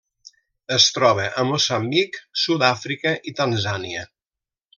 Es troba a Moçambic, Sud-àfrica i Tanzània.